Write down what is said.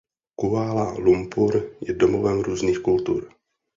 Kuala Lumpur je domovem různých kultur.